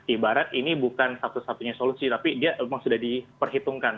ibarat ini bukan satu satunya solusi tapi dia memang sudah diperhitungkan